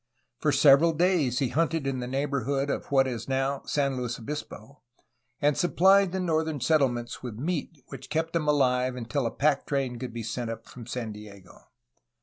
For several days he hunted in the neighborhood of what is now San Luis Obispo, and supplied the northern settlements with the meat which kept them alive until a pack train could be sent up from San Diego.